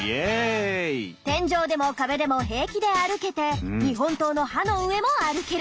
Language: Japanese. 「天井でも壁でも平気で歩けて日本刀の刃の上も歩ける。